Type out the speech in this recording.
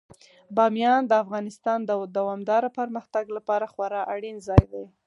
بامیان د افغانستان د دوامداره پرمختګ لپاره خورا اړین ځای دی.